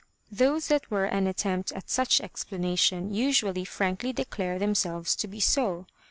Those that were an attempt at such explanation usually frankly declare themselves to be so.